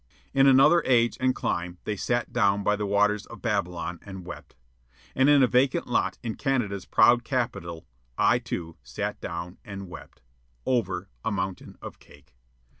In another age and clime they sat down by the waters of Babylon and wept. And in a vacant lot in Canada's proud capital, I, too, sat down and wept ... over a mountain of cake.